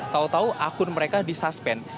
tau tau akun mereka disuspend